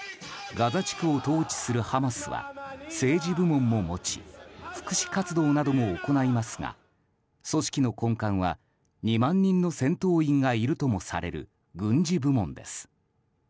ガザ地区を統治するハマスは政治部門も持ち福祉活動なども行いますが組織の根幹は２万人の戦闘員がいるともされる軍事部門です。